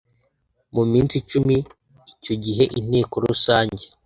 mu minsi icumi Icyo gihe inteko rusange